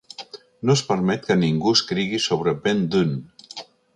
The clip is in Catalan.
No es permet que ningú escrigui sobre Ben Dunne.